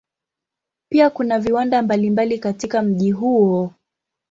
Pia kuna viwanda mbalimbali katika mji huo.